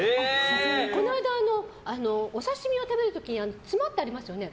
この間、お刺し身を食べる時にツマってありますよね。